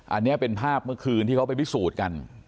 อันนี้เป็นภาพเมื่อคืนที่เขาไปพิสูจน์กัน